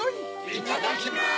いただきます！